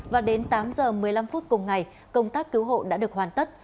và đến tám giờ một mươi năm phút cùng ngày công tác cứu hộ đã được hoàn tất